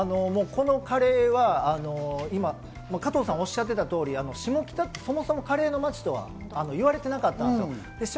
このカレーは加藤さんがおっしゃっていた通り、下北ってそもそもはカレーの街と言われてなかった。